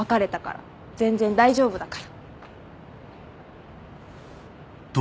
全然大丈夫だから。